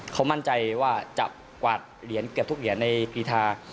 เขามั่นใจว่าจะกวาดเหรียญเกือบทุกเหรียญในกีธา